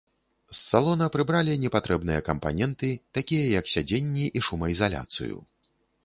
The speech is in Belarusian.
З салона прыбралі непатрэбныя кампаненты, такія як сядзенні і шумаізаляцыю.